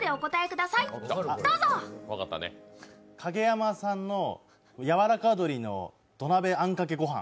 蔭山さんのやわらか鶏の土鍋あんかけ御飯。